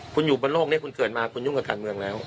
คุณอยู่บนโลกนี้คุณเกิดมาคุณยุ่งกับการเมืองแล้ว